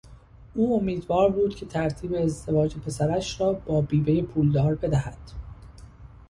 او امیدوار بود که ترتیب ازدواج پسرش را با بیوهی پولدار بدهد.